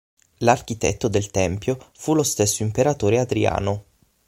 L'architetto del tempio fu lo stesso imperatore Adriano.